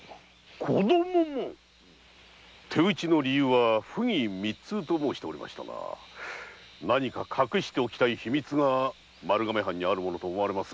手討ちの理由は不義密通と申しておりましたが何か隠しておきたい秘密が丸亀藩にあるものと思われますが。